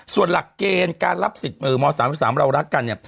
ส่วนหลักเกณฑ์การรับสิทธิ์ม๓๓เรารักกันเนี่ย